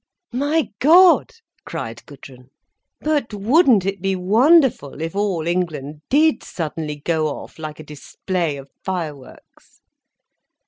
"My God!" cried Gudrun. "But wouldn't it be wonderful, if all England did suddenly go off like a display of fireworks."